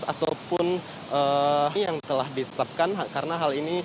ataupun hal ini yang telah ditetapkan karena hal ini